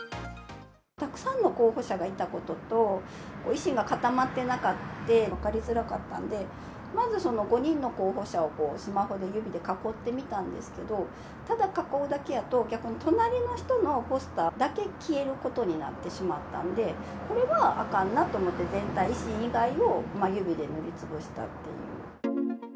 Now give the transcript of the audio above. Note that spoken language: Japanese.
たくさんの候補者がいたことと、維新が固まってなかって分かりづらかったので、まずその５人の候補者をスマホで指で囲ってみたんですけど、囲うだけやと、逆に隣の人のポスターだけ消えることになってしまったんで、これはあかんなと思って、全体、維新以外を指で塗りつぶしたっていう。